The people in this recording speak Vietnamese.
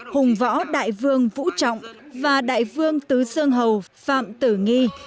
hùng võ đại vương vũ trọng và đại vương tứ sương hầu phạm tử nghi